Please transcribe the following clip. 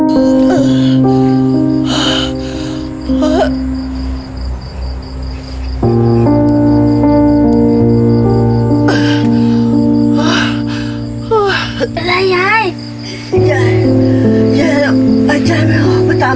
เป็นอะไรยายยายยายอาวุธอย่างไม่ออกมาตามแล้ว